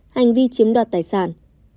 hành vi chiếm đoạt tài sản